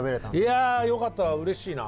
いやよかったわうれしいな。